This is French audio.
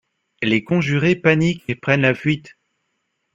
Les conjurés paniquent et prennent la fuite.